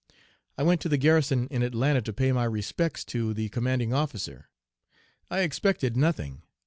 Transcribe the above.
I went to the garrison in Atlanta to pay my respects to the commanding officer. I expected nothing.